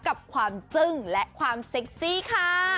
กับความจึ้งและความเซ็กซี่ค่ะ